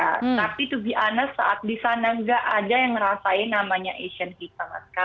tapi to be honest saat di sana nggak ada yang ngerasain namanya asian games sama sekali